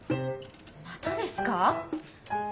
またですか？